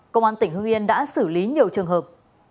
công an tp hương yên đã xử lý nhiều trường hợp